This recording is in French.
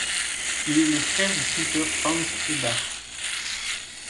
Il est le frère du sculpteur Franz Eberhard.